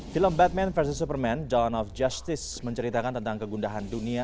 film batman versus superman john of justice menceritakan tentang kegundahan dunia